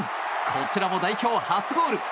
こちらも代表初ゴール。